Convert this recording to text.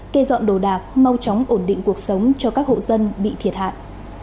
kê dọn đồ đạc mau chóng ổn định cuộc sống cho các hộ dân bị thiệt hại